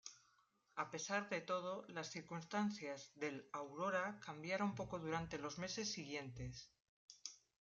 A pesar de todo, las circunstancias del "Aurora" cambiaron poco durante los meses siguientes.